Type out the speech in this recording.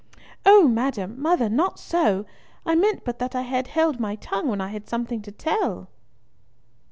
"Oh! madam, mother, not so! I meant but that I had held my tongue when I had something to tell!"